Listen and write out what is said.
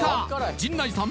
陣内さん